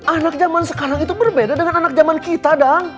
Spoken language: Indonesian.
anak zaman sekarang itu berbeda dengan anak zaman kita dong